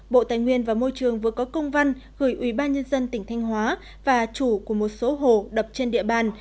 bộ tài nguyên và môi trường vừa có công văn gửi ủy ban nhân dân tỉnh thanh hóa và chủ của một số hồ đập trên địa bàn